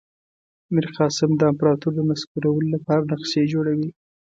میرقاسم د امپراطور د نسکورولو لپاره نقشې جوړوي.